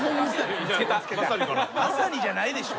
「まさに」じゃないでしょ。